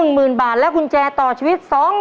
หมื่นบาทและกุญแจต่อชีวิต๒๐๐๐